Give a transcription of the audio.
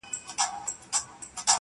سر که ولاړ سي، عادت نه ځي.